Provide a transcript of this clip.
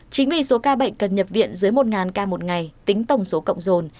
chính vì số ca bệnh cần nhập viện dưới một ca một ngày tính tổng số cộng rồn